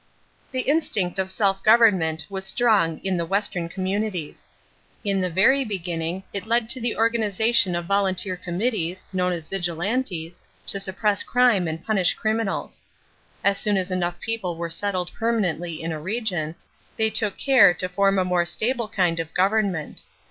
= The instinct of self government was strong in the western communities. In the very beginning, it led to the organization of volunteer committees, known as "vigilantes," to suppress crime and punish criminals. As soon as enough people were settled permanently in a region, they took care to form a more stable kind of government.